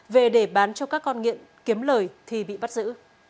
về để bán cho các con nghiện kiếm lời thì bị bắt giữ